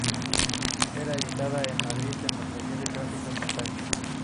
Era editada en Madrid, en los Talleres Gráficos Montaña.